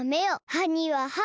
はにははを。